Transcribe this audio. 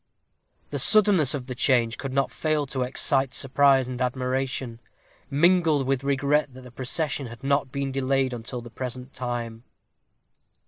The suddenness of the change could not fail to excite surprise and admiration, mingled with regret that the procession had not been delayed until the present time.